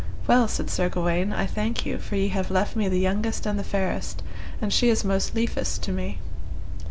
Well, said Sir Gawaine, I thank you, for ye have left me the youngest and the fairest, and she is most liefest to me.